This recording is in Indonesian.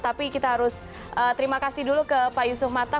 tapi kita harus terima kasih dulu ke pak yusuf mata